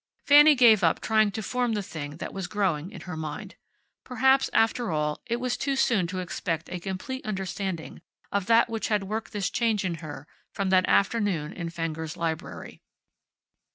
Fanny gave up trying to form the thing that was growing in her mind. Perhaps, after all, it was too soon to expect a complete understanding of that which had worked this change in her from that afternoon in Fenger's library.